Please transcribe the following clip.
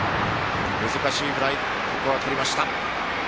難しいフライをここはとりました。